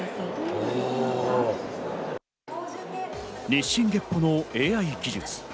日進月歩のＡＩ技術。